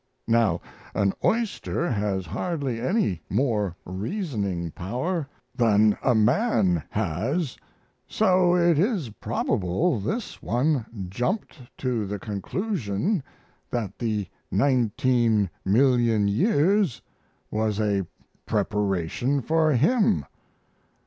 Now an oyster has hardly any more reasoning power than a man has, so it is probable this one jumped to the conclusion that the nineteen million years was a preparation for him.